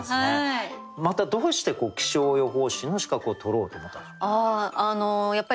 またどうして気象予報士の資格を取ろうと思ったんでしょうか？